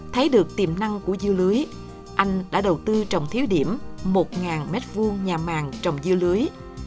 thấy được tiềm năng của dư lưới anh đã đầu tư trồng thiếu điểm một m hai nhà màng trồng dưa lưới